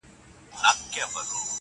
امتحان هر سړي پر ملا مات کړي,